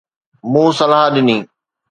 مون صلاح ڏني